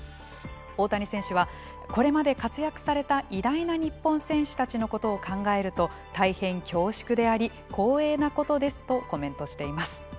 大谷選手はこれまで活躍された偉大な日本選手たちのことを考えると大変恐縮であり、光栄なことですとコメントしています。